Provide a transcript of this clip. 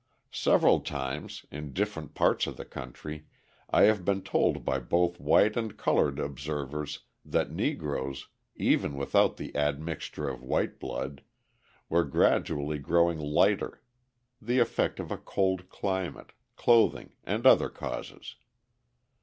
Several times, in different parts of the country, I have been told by both white and coloured observers that Negroes, even without the admixture of white blood, were gradually growing lighter the effect of a cold climate, clothing and other causes.